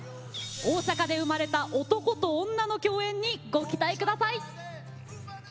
大阪で生まれた男と女の共演にご期待ください。